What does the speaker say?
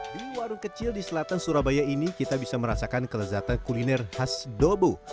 di warung kecil di selatan surabaya ini kita bisa merasakan kelezatan kuliner khas dobo